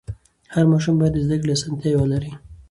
هر ماشوم باید د زده کړې اسانتیا ولري.